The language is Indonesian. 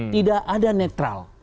tidak ada netral